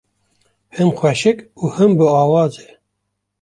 Him xweşik û him biawaz e.